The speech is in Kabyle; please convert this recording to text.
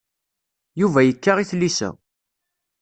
Yuba yekka i tlisa.